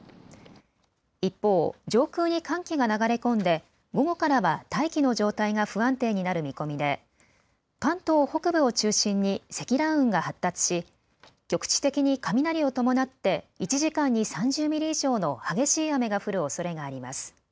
一方、上空に寒気が流れ込んで午後からは大気の状態が不安定になる見込みで関東北部を中心に積乱雲が発達し局地的に雷を伴って１時間に３０ミリ以上の激しい雨が降るおそれがあります。